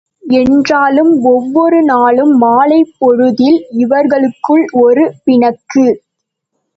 என்றாலும் ஒவ்வொரு நாளும் மாலைப் பொழுதில் இவர்களுக்குள் ஒரு பிணக்கு.